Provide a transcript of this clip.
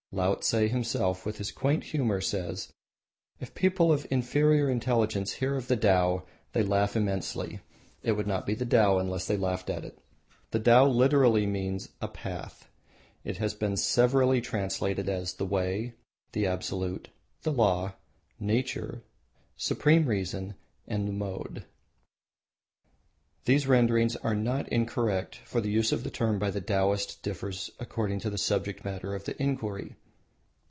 Laotse himself, with his quaint humour, says, "If people of inferior intelligence hear of the Tao, they laugh immensely. It would not be the Tao unless they laughed at it." The Tao literally means a Path. It has been severally translated as the Way, the Absolute, the Law, Nature, Supreme Reason, the Mode. These renderings are not incorrect, for the use of the term by the Taoists differs according to the subject matter of the inquiry.